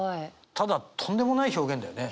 ただとんでもない表現だよね。